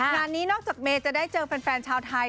งานนี้นอกจากเมย์จะได้เจอแฟนชาวไทย